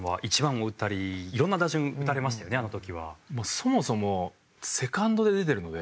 そもそもセカンドで出てるので。